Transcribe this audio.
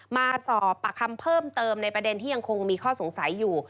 มาสอบปากคำเพิ่มเติมในประเด็นที่ยังคงมีข้อสงสัยอยู่